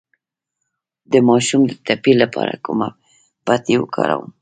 د ماشوم د تبې لپاره کومه پټۍ وکاروم؟